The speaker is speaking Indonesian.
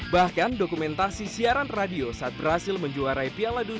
bahkan dokumentasi siaran radio saat brazil menjuarai piala dunia ini juga terlihat di museum